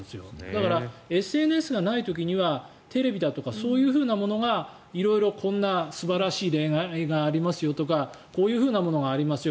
だから、ＳＮＳがない時にはテレビだとかそういうものが色々、こんな素晴らしい映画ありますよとかこういうものがありますよ